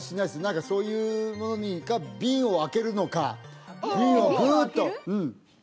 何かそういうものに瓶を開けるのか瓶をグーッと瓶を開ける？